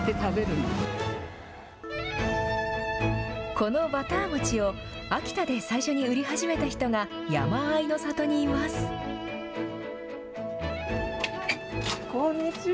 このバター餅を秋田で最初に売り始めた人が、山あいの里にいこんにちは。